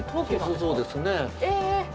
そうですね。